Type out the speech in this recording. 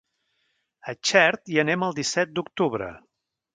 A Xert hi anem el disset d'octubre.